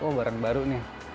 oh barang baru nih